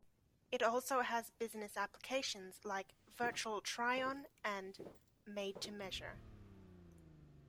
It also has business applications like "virtual-try on" and "made to measure".